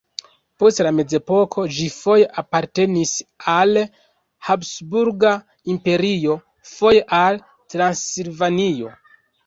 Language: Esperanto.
Post la mezepoko ĝi foje apartenis al Habsburga Imperio, foje al Transilvanio.